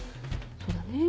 そうだね。